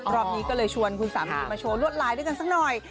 รอบนี้ก็เลยชวนคุณสามีมาโชว์ลวดลายด้วยกันสักหน่อย